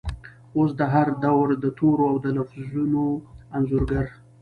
اوس د هردور دتورو ،اودلفظونو انځورګر،